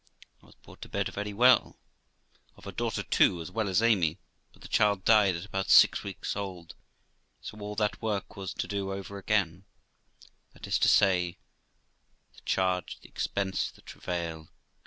I was brought to bed very well (of a daughter too, as well as Amy), but the child died at about six weeks old, so all that work was to do over again that is to say, the charge, the expense, the travail, &c.